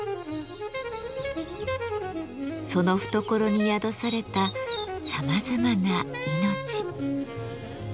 その懐に宿されたさまざまな命。